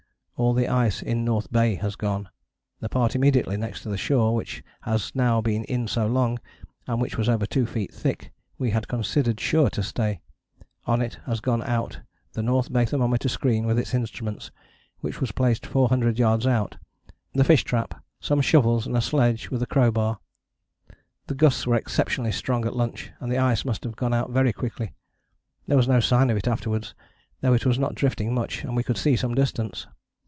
All the ice in North Bay has gone. The part immediately next to the shore, which has now been in so long, and which was over two feet thick, we had considered sure to stay. On it has gone out the North Bay thermometer screen with its instruments, which was placed 400 yards out, the fish trap, some shovels and a sledge with a crowbar. The gusts were exceptionally strong at lunch, and the ice must have gone out very quickly. There was no sign of it afterwards, though it was not drifting much and we could see some distance.